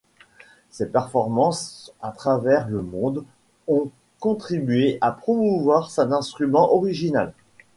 Ses performances à travers le monde ont contribué à promouvoir cet instrument original.